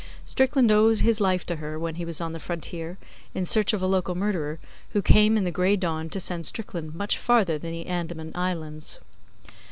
Strickland owed his life to her, when he was on the Frontier, in search of a local murderer, who came in the gray dawn to send Strickland much farther than the Andaman Islands.